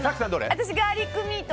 私、ガーリックミート。